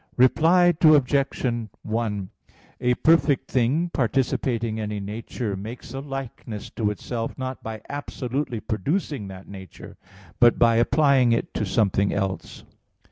Reply Obj. 1: A perfect thing participating any nature, makes a likeness to itself, not by absolutely producing that nature, but by applying it to something else.